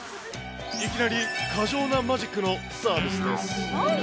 いきなり過剰なマジックのサービスです。